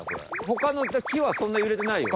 ほかのきはそんなゆれてないよ。